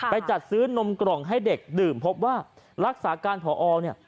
จัดซื้อนมกล่องให้เด็กดื่มพบว่ารักษาการพอเนี่ย